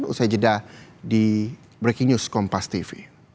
usai jeda di breaking news kompas tv